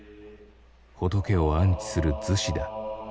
仏を安置する厨子だ。